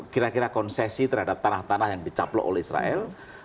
kira kira konsesi terhadap tanah tanah yang dicaplok oleh israel